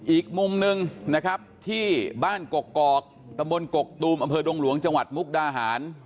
อีกมุมหนึ่งนะครับที่บ้านกกอกตะบนกกตูมอำเภอดงหลวงจังหวัดมุกดาหาร